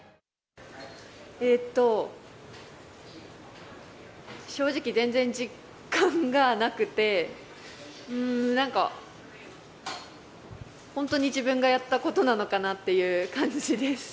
えっと、正直、全然実感がなくて、なんか、本当に自分がやったことなのかなっていう感じです。